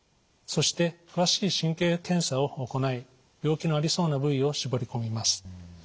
そして詳しい神経検査を行い病気のありそうな部位を絞り込みます。